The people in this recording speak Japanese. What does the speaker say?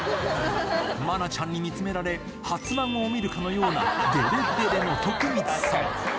愛菜ちゃんに見つめられ、初孫を見るかのようなでれでれの徳光さん。